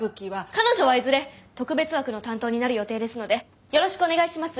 彼女はいずれ特別枠の担当になる予定ですのでよろしくお願いします。